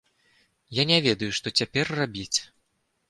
Я не ведаю што цяпер рабіць.